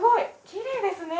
きれいですね。